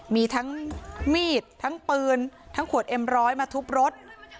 มีทั้งมีดทั้งปืนทั้งขวดเอ็มร้อยมาทุบรถ